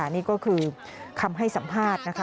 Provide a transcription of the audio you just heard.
นี่ก็คือคำให้สัมภาษณ์นะคะ